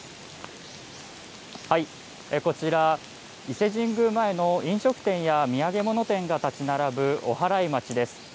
こちら、伊勢神宮前の飲食店や土産物店が建ち並ぶおはらい町です。